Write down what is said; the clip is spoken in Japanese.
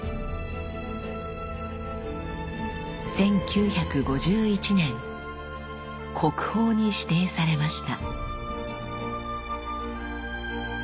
１９５１年国宝に指定されました。